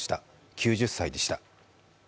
９０歳でした。